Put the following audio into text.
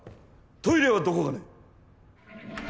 トイレはどこかね？